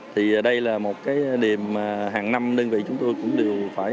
thì đây là một điểm hàng năm đơn vị chúng tôi cũng đều phải